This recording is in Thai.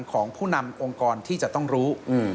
ของผู้นำองค์กรที่จะต้องรู้